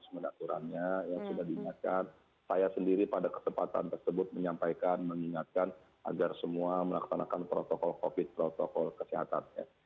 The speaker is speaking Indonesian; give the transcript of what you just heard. ada mekanisme dan aturannya yang sudah diingatkan saya sendiri pada kesempatan tersebut menyampaikan mengingatkan agar semua melaksanakan protokol covid protokol kesehatannya